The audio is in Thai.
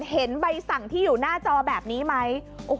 เห็นใบสั่งที่อยู่หน้าจอแบบนี้ไหม